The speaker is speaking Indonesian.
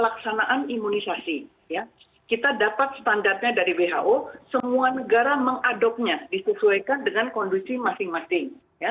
pelaksanaan imunisasi kita dapat standarnya dari who semua negara mengadopnya disesuaikan dengan kondisi masing masing